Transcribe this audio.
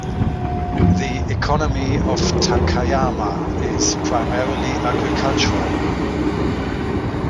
The economy of Takayama is primarily agricultural.